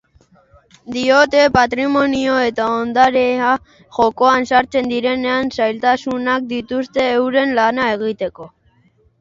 Diote, patrimonio eta ondarea jokoan sartzen direnean zailtasunak dituzte euren lana egiteko.